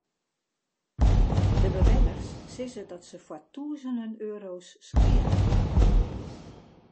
De bewenners sizze dat se foar tûzenen euro's skea hawwe.